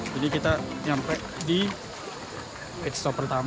jadi kita nyampe di red stop pertama